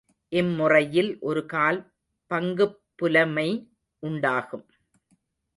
இம்முறையில் ஒரு கால் பங்குப் புலமை உண்டாகும்.